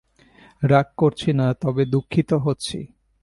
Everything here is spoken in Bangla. রাগ করছি না, তবে দুঃখিত হচ্ছি।